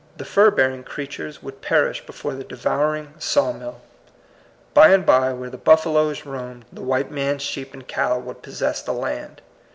The fur bearing creatures f 8 THE COMING PEOPLE. would perish before the devouring saw* mill. By and by, where the buffaloes roamed, the white man's sheep and cattle would possess the land.